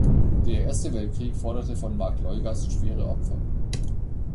Der Erste Weltkrieg forderte von Marktleugast schwere Opfer.